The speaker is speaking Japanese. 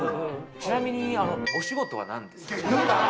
ちなみにお仕事は何ですか？